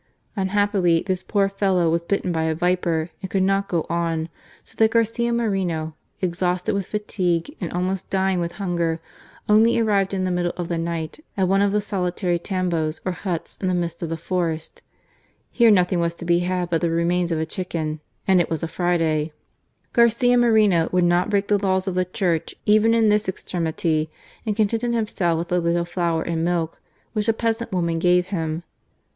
Unhappily, this poor fellow was bitten by a viper and could not go on, so that Garcia Moreno, exhausted with fatigue and almost dying with hunger, only arrived in the middle of the night at one of the solitary tambos or huts in the midst of the forest. Here nothing was A VOICE FROM EXILE. 51 to be bad but the remains of a chicken, and it was a Friday. Garcia Moreno would not break the laws of the Church even in this extremity, and contented himself with a little flour and milk which a peasant woman gave him.